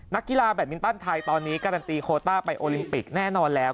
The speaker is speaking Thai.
นักกีฬาแบตมินตันไทยตอนนี้การันตีโคต้าไปโอลิมปิกแน่นอนแล้ว